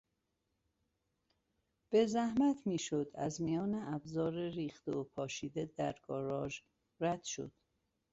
به زحمت میشد از میان ابزار ریخته و پاشیده در گاراژ رد شد.